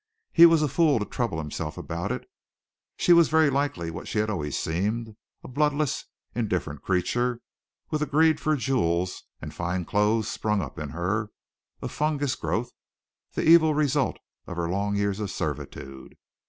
He was a fool to trouble himself about it. She was very likely what she had always seemed, a bloodless, indifferent creature, with a greed for jewels and fine clothes sprung up in her, a fungus growth, the evil result of her long years of servitude.